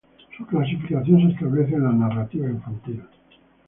Su clasificación se establece en la narrativa infantil.